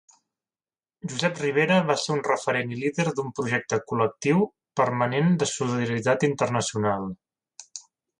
Josep Ribera va ser un referent i líder d'un projecte col·lectiu permanent de solidaritat internacional.